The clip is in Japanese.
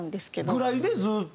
ぐらいでずっと？